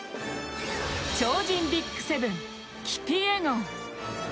超人ＢＩＧ７、キピエゴン。